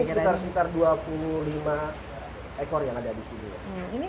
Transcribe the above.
sekitar sekitar dua puluh lima ekor yang ada di sini